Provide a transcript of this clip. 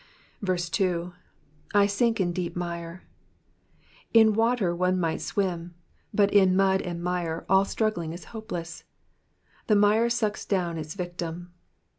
2. / sinJc in deep mire,'''* In water one might swim, but in mud and mire all struggling is hopeless ; the mire sucks down its victim.